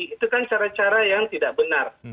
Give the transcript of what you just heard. itu kan cara cara yang tidak benar